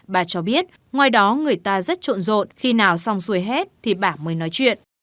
bà cho biết ngoài đó người ta rất trộn rộn khi nào xong xuôi hết thì bà mới nói chuyện